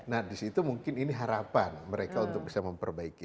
nah disitu mungkin ini harapan mereka untuk bisa memperbaiki